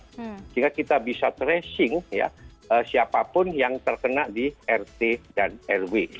sehingga kita bisa tracing siapapun yang terkena di rt dan rw